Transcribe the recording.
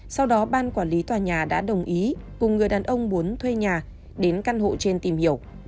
sau đó ban quản lý tòa nhà đã đồng ý cùng người đàn ông muốn thuê nhà đến căn hộ trên tìm hiểu